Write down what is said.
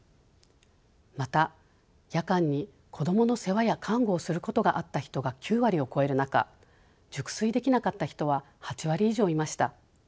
また夜間に子どもの世話や看護をすることがあった人が９割を超える中熟睡できなかった人は８割以上いました。